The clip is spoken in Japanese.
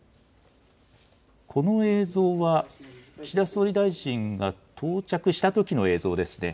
この映像は岸田総理大臣が到着したときの映像ですね。